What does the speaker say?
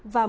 và mua ra